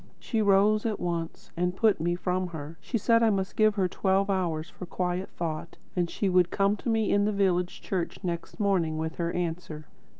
She rose at once and put me from her. She said I must give her twelve hours for quiet thought, and she would come to me in the village church next morning with her answer.